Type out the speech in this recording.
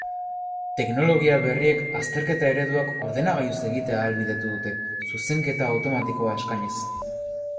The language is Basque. Teknologia berriek azterketa ereduak ordenagailuz egitea ahalbidetu dute, zuzenketa automatikoa eskainiz.